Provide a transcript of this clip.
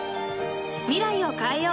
［未来を変えよう！